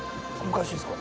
昔ですか？